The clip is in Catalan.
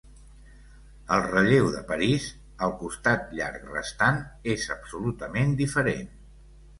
El relleu de París –el costat llarg restant– és absolutament diferent.